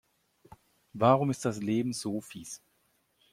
Warum ist das Leben so fieß?